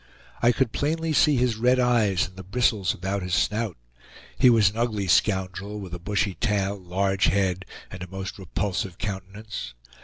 I could plainly see his red eyes and the bristles about his snout; he was an ugly scoundrel, with a bushy tail, large head, and a most repulsive countenance.